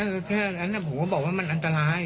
ก็แค่นั้นผมก็บอกว่ามันอันตราย